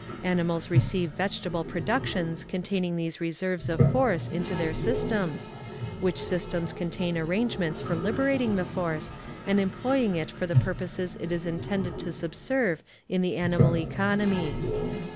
Animals receive vegetable productions containing these reserves of force into their systems, which systems contain arrangements for liberating the force, and employing it for the purposes it is intended to subserve in the animal economy.